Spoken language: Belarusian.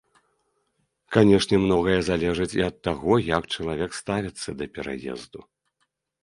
Канешне, многае залежыць і ад таго, як чалавек ставіцца да пераезду.